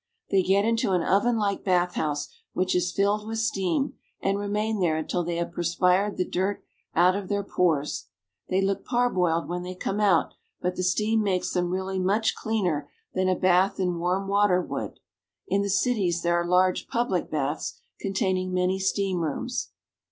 They get into an ovenlike bath house, which is filled with steam, and remain there until they have perspired the dirt out of their pores. They look par boiled when they come out, but the steam makes them really much cleaner than a bath in warm water would. In the cities there are large public baths containing many steam rooms.